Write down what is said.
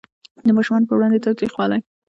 د ماشومانو په وړاندې تاوتریخوالی